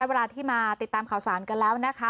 เวลาที่มาติดตามข่าวสารกันแล้วนะคะ